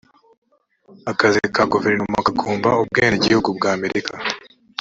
akazi ka guverinoma kagomba ubwenegihugu bw amerika